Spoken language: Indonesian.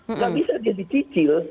nggak bisa dia dicicil